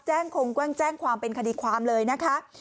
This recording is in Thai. แจ้งคงแกว้งแจ้งความเป็นคดีความเลยนะคะ